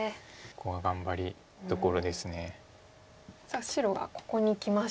さあ白がここにきました。